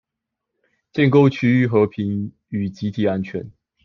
建構區域和平與集體安全